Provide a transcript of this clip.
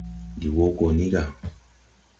Ndi wɔ gɔ ni ga.